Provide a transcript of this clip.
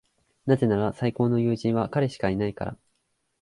なぜなら、最高の友人は彼しかいないから。